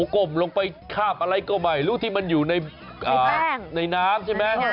กุ่มลงไปข้าบไหนก็จะไม่รู้ที่มันอยู่ในน้ำใช่ไหม